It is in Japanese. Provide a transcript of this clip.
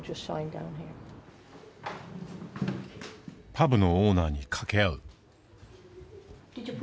パブのオーナーに掛け合う。